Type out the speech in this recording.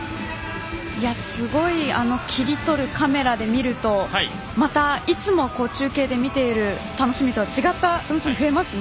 すごい切り取るカメラで見るとまた、いつも中継で見ている楽しみとは違った楽しみが増えますね。